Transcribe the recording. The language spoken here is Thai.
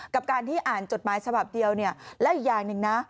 กับการที่อ่านจดหมายฉบับเดียวและอีกอย่างหนึ่งนะ